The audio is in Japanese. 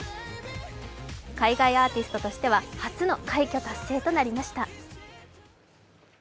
海外アーティストとしては初の快挙達成となりました。